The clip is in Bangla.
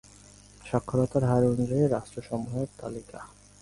সাক্ষরতার হার অনুযায়ী রাষ্ট্রসমূহের তালিকা